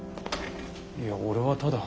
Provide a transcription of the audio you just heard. いや俺はただ。